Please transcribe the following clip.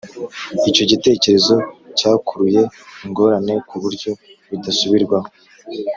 icyo gitekerezo cyakuruye ingorane ku buryo bidasubirwaho.